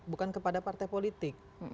bukan kepada partai politik